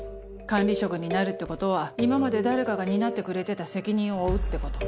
管理職になるってことは今まで誰かが担ってくれてた責任を負うってこと。